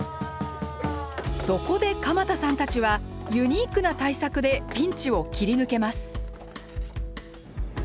そこで鎌田さんたちはユニークな対策でピンチを切り抜けます。